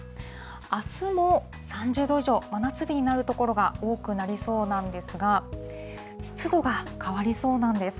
あすも３０度以上、真夏日になる所が多くなりそうなんですが、湿度が変わりそうなんです。